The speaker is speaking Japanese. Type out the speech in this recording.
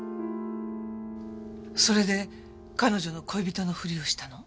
それで彼女の恋人のふりをしたの？